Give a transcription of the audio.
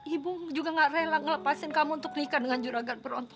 ibu juga gak rela melepaskan kamu untuk nikah dengan juragan